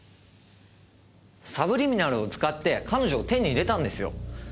サブリミナルを使って彼女を手に入れたんですよ。